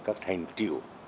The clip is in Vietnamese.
các thành tiệu